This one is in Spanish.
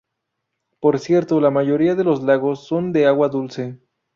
Por cierto, la mayoría de los lagos son de agua dulce.